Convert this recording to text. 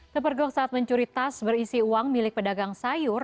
kepergok saat mencuri tas berisi uang milik pedagang sayur